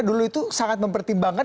dulu itu sangat mempertimbangkan